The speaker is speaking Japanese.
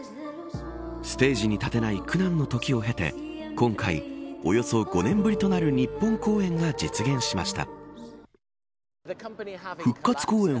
ステージに立てない苦難の時を経て今回およそ５年ぶりとなる日本公演が実現しました。